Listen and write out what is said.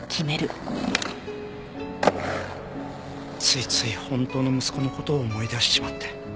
ついつい本当の息子の事を思い出しちまって。